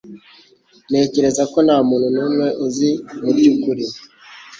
Ntekereza ko ntamuntu numwe uzi mubyukuri.